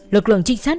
lực lượng trinh sát